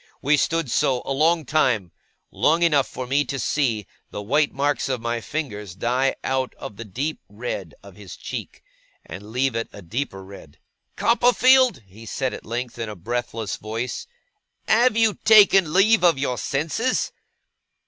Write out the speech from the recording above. We stood so, a long time; long enough for me to see the white marks of my fingers die out of the deep red of his cheek, and leave it a deeper red. 'Copperfield,' he said at length, in a breathless voice, 'have you taken leave of your senses?